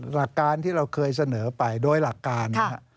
หลักการที่เราเคยเสนอไปโดยหลักการนะครับ